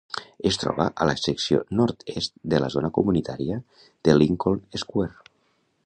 Es troba a la secció nord-est de la zona comunitària de Lincoln Square.